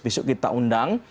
besok kita undang